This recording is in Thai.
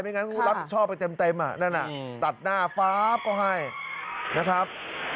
งั้นก็รับผิดชอบไปเต็มอ่ะนั่นน่ะตัดหน้าฟ้าบก็ให้นะครับ